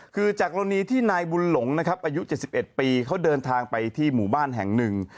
คือจากกรณีที่นายบุญหลงนะครับอายุ๗๑ปีเขาเดินทางไปที่หมู่บ้านแห่งหนึ่ง